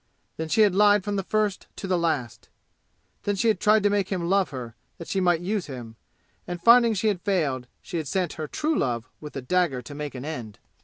Then she had lied from first to last! Then she had tried to make him love her that she might use him, and finding she had failed, she had sent her true love with the dagger to make an end!